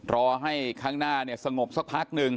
รอให้ข้างหน้าสงบสักพักหนึ่ง